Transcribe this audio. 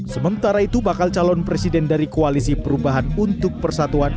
sementara itu bakal calon presiden dari koalisi perubahan untuk persatuan